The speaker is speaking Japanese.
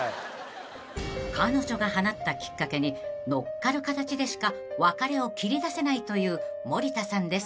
［彼女が放ったきっかけに乗っかる形でしか別れを切り出せないという森田さんですが］